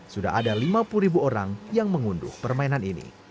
sudah ada lima puluh ribu orang yang mengunduh permainan ini